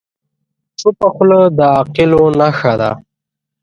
چپه خوله، د عاقلو نښه ده.